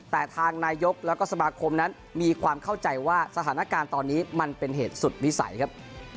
แต่ทางนายกแล้วก็สมาคมนั้นมีความเข้าใจว่าสถานการณ์ตอนนี้มันเป็นเหตุสุดวิสัยครับ